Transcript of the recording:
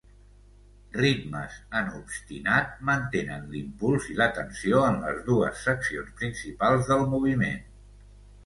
Ritmes en obstinat mantenen l'impuls i la tensió en les dues seccions principals del moviment.